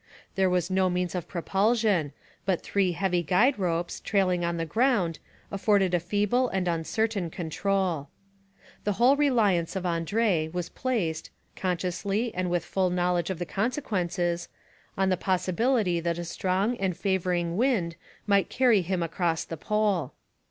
There was no means of propulsion, but three heavy guide ropes, trailing on the ground, afforded a feeble and uncertain control. The whole reliance of Andrée was placed, consciously and with full knowledge of the consequences, on the possibility that a strong and favouring wind might carry him across the Pole.